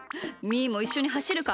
ーもいっしょにはしるか？